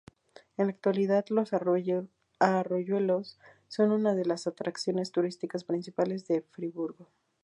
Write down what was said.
En la actualidad los arroyuelos son una de las atracciones turísticas principales de Friburgo.